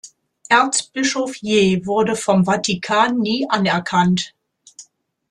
Erzbischof Ye wurde vom Vatikan nie anerkannt.